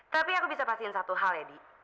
tapi aku bisa kasihin satu hal ya di